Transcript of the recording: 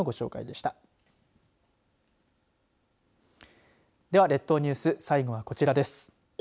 では列島ニュース最後はこちらです。